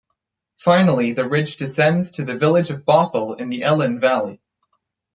Finally the ridge descends to the village of Bothel in the Ellen Valley.